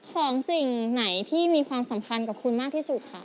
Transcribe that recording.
ของสิ่งไหนที่มีความสำคัญกับคุณมากที่สุดค่ะ